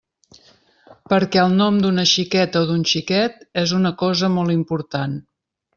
Perquè el nom d'una xiqueta o d'un xiquet és una cosa molt important.